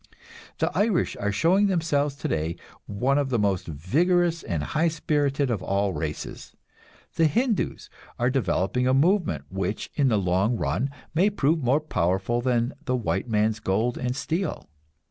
The Irish are showing themselves today one of the most vigorous and high spirited of all races. The Hindus are developing a movement which in the long run may prove more powerful than the white man's gold and steel.